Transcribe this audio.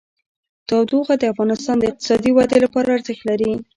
تودوخه د افغانستان د اقتصادي ودې لپاره ارزښت لري.